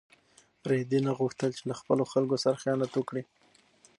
رېدي نه غوښتل چې له خپلو خلکو سره خیانت وکړي.